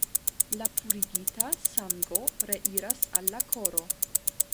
La purigita sango reiras al la koro.